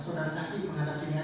saudara saksi menghadap sini saja